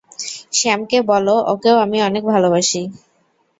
স্যামকে বলো, ওকেও আমি অনেক ভালোবাসি!